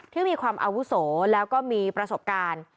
ที่มีความอาวุโสแล้วก็มีประสบการณ์